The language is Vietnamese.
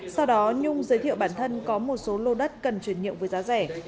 sau đó nhung giới thiệu bản thân có một số lô đất cần chuyển nhượng với giá rẻ